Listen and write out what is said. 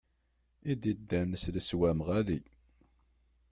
I d-iddan s leswam ɣali.